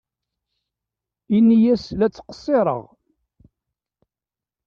Ini-as la ttqeṣṣireɣ.